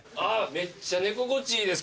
めっちゃ寝心地いいです